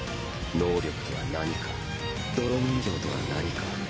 能力とは何か泥人形とは何か。